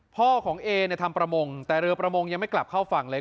พ่อของเอเนี่ยทำประมงแต่เรือประมงยังไม่กลับเข้าฝั่งเลย